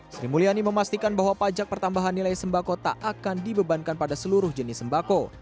sri mulyani memastikan bahwa pajak pertambahan nilai sembako tak akan dibebankan pada seluruh jenis sembako